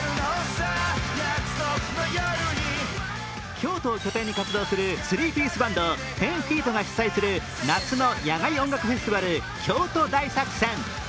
京都を拠点に活動する３ピースバンド、１０−ＦＥＥＴが主催する夏の野外音楽フェスティバル京都大作戦。